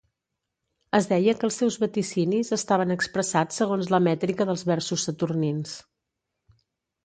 Es deia que els seus vaticinis estaven expressats segons la mètrica dels versos saturnins.